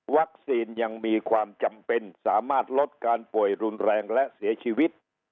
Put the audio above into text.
ยังมีความจำเป็นสามารถลดการป่วยรุนแรงและเสียชีวิต